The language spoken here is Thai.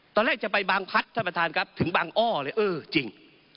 ตอนแรกจะไปบางพัดท่านประธานครับถึงบางอ้อเลยเออจริง